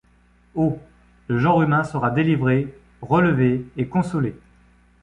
Oh! le genre humain sera délivré, relevé et consolé !